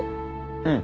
うん。